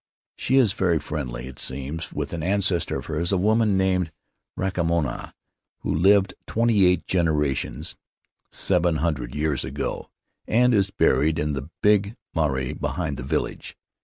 She is very friendly, it seems, with an ancestor of hers — a woman named Rakamoana, who lived twenty eight generations — seven hundred years — ago, and is buried in the big marae behind the village.